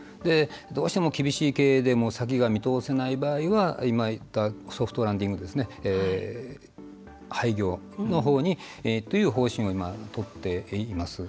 どうしても厳しい経営で先が見通せない場合ではソフトランディング廃業のほうにという方針を今、とっています。